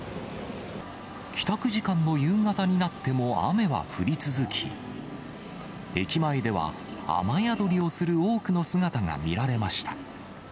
帰宅時間の夕方になっても雨は降り続き、駅前では雨宿りをする多くの姿が見られました。